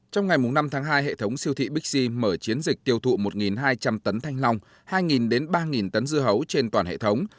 trong ngày năm tháng hai hệ thống siêu thị bixi mở chiến dịch tiêu thụ một hai trăm linh tấn thanh long hai ba tấn dưa hấu trên toàn hệ thống